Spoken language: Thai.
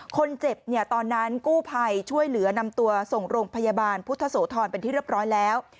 คนเจ็บเนี่ยตอนนั้นกู้ภัยช่วยเหลือนำตัวส่งโรงพยาบาลพุทธโสธรเป็นที่เรียบร้อยแล้ว